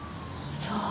そう。